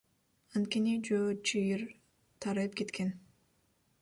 Анткени жөө чыйыр тарайып кеткен.